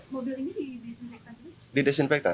mobil ini di desinfektan